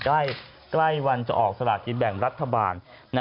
ใกล้วันจะออกสลากินแบ่งรัฐบาล